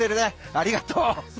ありがとう。